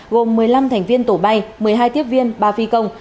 gồm một mươi năm thành viên tổ bay một mươi hai tiếp viên ba phi công